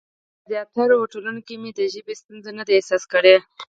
په زیاترو هوټلونو کې مې د ژبې ستونزه نه ده احساس کړې.